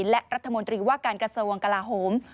และรัฐมนตรีวกาศาสตร์วงศ์กลาโหม